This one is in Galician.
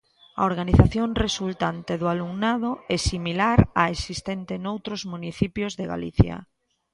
A organización resultante do alumnado é similar á existente noutros municipios de Galicia.